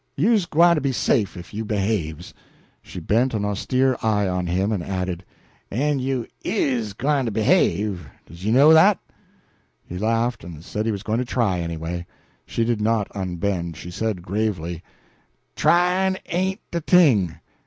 You's gwyne to be safe if you behaves." She bent an austere eye on him and added, "En you is gwyne to behave does you know dat?" He laughed and said he was going to try, anyway. She did not unbend. She said gravely: "Tryin' ain't de thing.